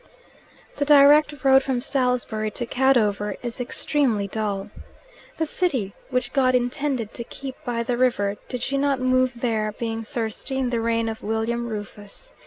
The direct road from Salisbury to Cadover is extremely dull. The city which God intended to keep by the river; did she not move there, being thirsty, in the reign of William Rufus?